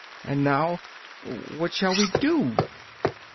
And now what shall we do?"